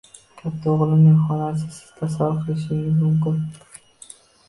Katta o‘g‘limning xonasi siz tasavvur qilishingiz mumkin